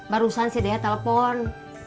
barusan si dea telepon